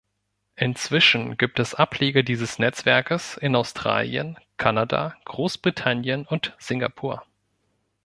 Inzwischen gibt es Ableger dieses Netzwerkes in Australien, Kanada, Großbritannien und Singapur.